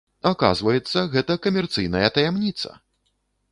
Аказваецца, гэта камерцыйная таямніца!